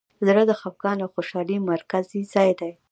زړه د خفګان او خوشحالۍ مرکزي ځای دی.